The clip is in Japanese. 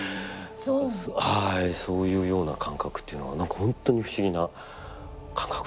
はいそういうような感覚というのが何かホントに不思議な感覚でしたね。